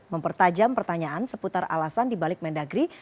mempertajam pertanyaan seputar alasan di balik mendagri